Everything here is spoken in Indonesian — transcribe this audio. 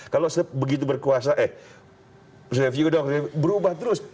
kalau begitu berkuasa eh berubah terus